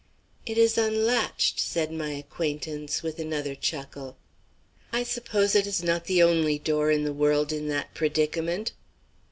"It is unlatched," said my acquaintance, with another chuckle. "I suppose it is not the only door in the world in that predicament."